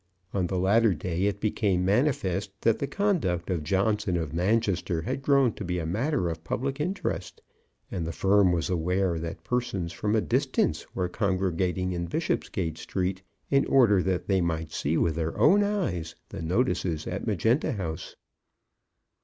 On the latter day it became manifest that the conduct of Johnson of Manchester had grown to be matter of public interest, and the firm was aware that persons from a distance were congregating in Bishopsgate Street, in order that they might see with their own eyes the notices at Magenta House.